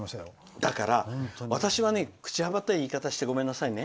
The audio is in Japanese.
だから、私は口幅ったい言い方してごめんなさいね。